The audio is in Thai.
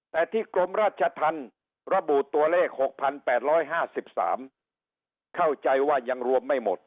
แต่ที่กรมราชธรรมระบุตัวเลข๖๘๕๓เข้าใจว่ายังรวมไม่หมด